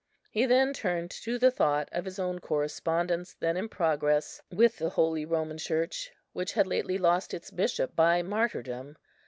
He then turned to the thought of his own correspondence then in progress with the Holy Roman Church, which had lately lost its bishop by martyrdom.